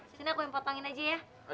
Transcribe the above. di sini aku yang potongin aja ya